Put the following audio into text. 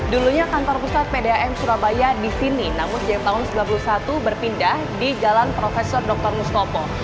dulunya kantor pusat pdam surabaya di sini namun sejak tahun seribu sembilan ratus sembilan puluh satu berpindah di jalan prof dr mustopo